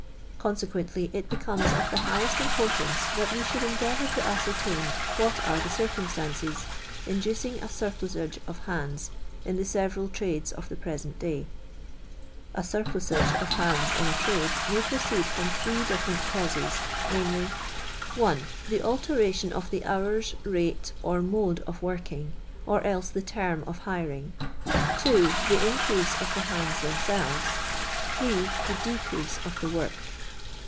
Consequently it becomes of the highest importance that we should endeavour to ascertiin what are the circumstances inducing a surplusage of hands in the several trades of the present duy. A iur plusagc of luinds in a trade may proceed from three different causes, viz. :— 1. The alteration of the hours, rate, or mode of working, or else the term of hiring. 2. The increase of the hands themselves. 8. The decrease of the work.